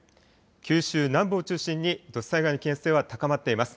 九州南部を中心に土砂災害の危険性は高まっています。